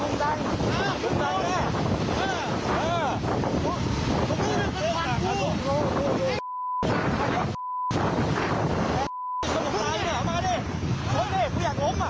หนูไม่โชคแล้วมาดิ